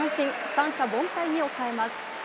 三者凡退に抑えます。